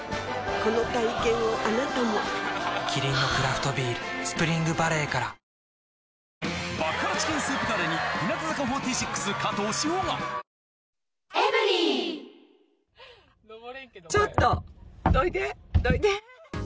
この体験をあなたもキリンのクラフトビール「スプリングバレー」からちょっと、どいて、どいて。